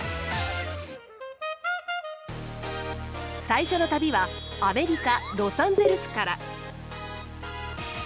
最初の旅はアメリカ・ロサンゼルスから。